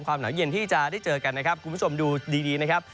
กลุ่มผู้ชมดูดีนะครับ